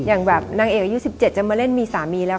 อย่างแบบนางเอกอายุ๑๗จะมาเล่นมีสามีแล้ว